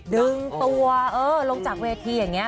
ดึงตัวเออลงจากเวทีอย่างเงี้ย